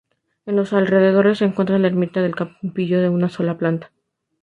En los alrededores se encuentra la ermita del Campillo, de una sola planta.